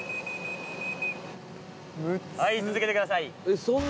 はい続けてください。